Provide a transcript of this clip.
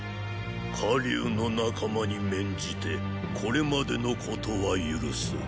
火龍の仲間に免じてこれまでのことは許す。